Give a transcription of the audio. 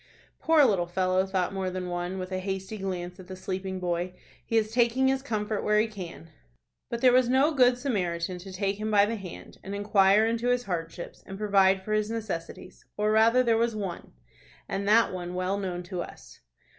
"Poor little fellow!" thought more than one, with a hasty glance at the sleeping boy. "He is taking his comfort where he can." But there was no good Samaritan to take him by the hand, and inquire into his hardships, and provide for his necessities, or rather there was one, and that one well known to us.